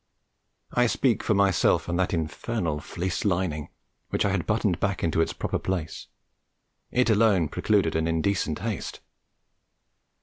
I speak for myself and that infernal fleece lining, which I had buttoned back into its proper place. It alone precluded an indecent haste.